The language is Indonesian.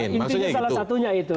intinya salah satunya itu